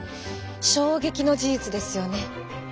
衝撃の事実ですよね。